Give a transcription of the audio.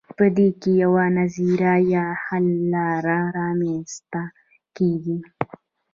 په دې کې یوه نظریه یا حل لاره رامیینځته کیږي.